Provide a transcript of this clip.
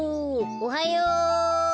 おはよう。